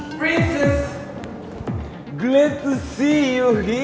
princess senang melihatmu disini